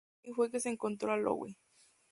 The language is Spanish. Ahí fue que se encontró con Lowe.